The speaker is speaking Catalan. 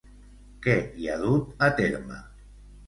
Què hi ha dut a terme?